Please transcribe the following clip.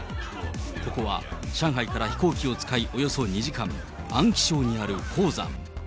ここは、上海から飛行機を使いおよそ２時間、安徽省にある黄山。